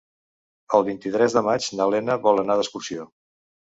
El vint-i-tres de maig na Lena vol anar d'excursió.